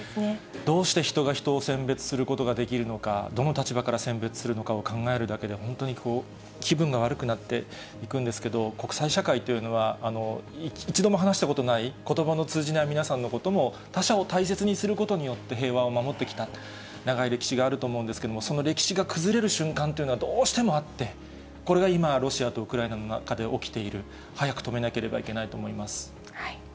どうして人が人を選別することができるのか、どの立場から選別するのかを考えるだけで、本当に気分が悪くなっていくんですけれども、国際社会というのは、一度も話したことのない、ことばの通じない皆さんのことも、他者を大切にすることによって、平和を守ってきた長い歴史があると思うんですけれども、その歴史が崩れる瞬間というのはどうしてもあって、これが今、ロシアとウクライナの中で起きている、早く止めなければいけないと思い